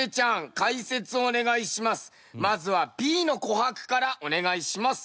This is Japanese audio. まずはＢの琥珀からお願いします。